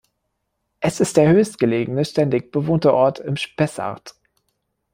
Es ist der höchstgelegene, ständig bewohnte Ort im Spessart.